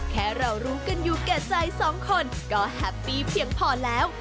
แค่เรารู้กันอยู่แก่ใจสองคนก็แฮปปี้เพียงพอแล้ว